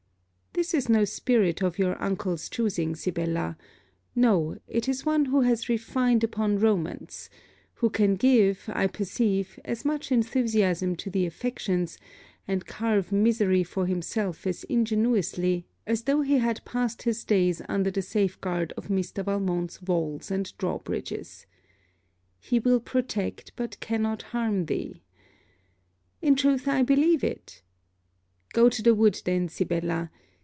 This is no spirit of your uncle's choosing, Sibella. No: it is one who has refined upon romance; who can give, I perceive, as much enthusiasm to the affections, and carve misery for himself as ingeniously, as though he had passed his days under the safeguard of Mr. Valmont's walls and draw bridges. 'He will protect, but cannot harm thee.' In truth, I believe it. Go to the wood then, Sibella.